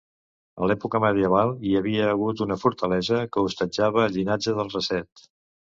A l'època medieval hi havia hagut una fortalesa que hostatjava el llinatge dels Raset.